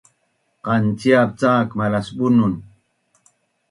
Qanciap cak malas Bunun